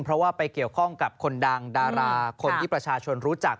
เพราะว่าไปเกี่ยวข้องกับคนดังดาราคนที่ประชาชนรู้จัก